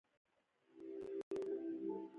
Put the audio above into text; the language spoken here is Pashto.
شېرګل د ورور د مړينې کيسه وکړه.